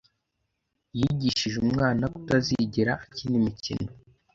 Yigishije umwana kutazigera akina imikino.